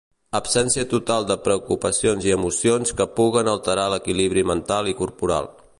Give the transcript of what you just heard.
Absència total de preocupacions i emocions que puguen alterar l'equilibri mental i corporal.